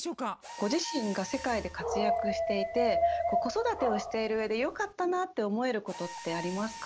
ご自身が世界で活躍していて子育てをしているうえでよかったなって思えることってありますか？